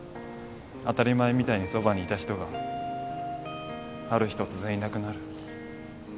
当たり前みたいにそばにいた人がある日突然いなくなる。